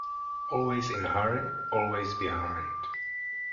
Always in a hurry, always behind.